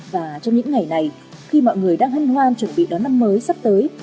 và trong những ngày này khi mọi người đang hân hoan chuẩn bị đón năm mới sắp tới